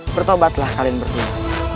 bertobatlah kalian berdua